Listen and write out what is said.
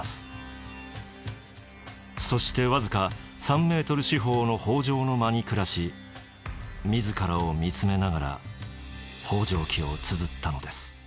そして僅か３メートル四方の方丈の間に暮らし自らを見つめながら「方丈記」をつづったのです。